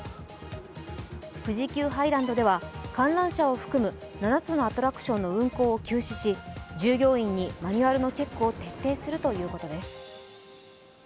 富士急ハイランドでは、観覧車を含む７つのアトラクションの運行を休止し従業員にマニュアルのチェックを徹底させるということです。